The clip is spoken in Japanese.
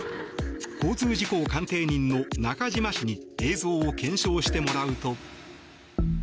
交通事故鑑定人の中島氏に映像を検証してもらうと。